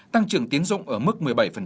tăng trưởng tiến dụng ở mức một mươi